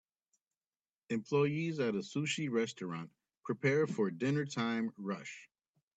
Employees at a sushi restaurant prepare for dinner time rush.